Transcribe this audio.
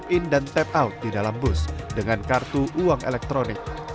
in dan tap out di dalam bus dengan kartu uang elektronik